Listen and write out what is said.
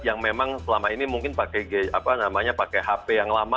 yang memang selama ini mungkin pakai hp yang lama